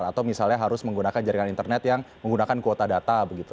atau misalnya harus menggunakan jaringan internet yang menggunakan kuota data begitu